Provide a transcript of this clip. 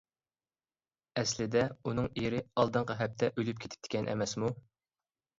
ئەسلىدە ئۇنىڭ ئېرى ئالدىنقى ھەپتە ئۆلۈپ كېتىپتىكەن ئەمەسمۇ!